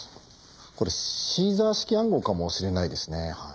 これシーザー式暗号かもしれないですねはい。